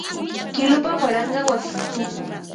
Kilupa waranqa wakin tupu